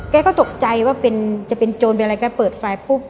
แกก็ตกใจว่าจะเป็นโจรเวลาแกเปิดไฟ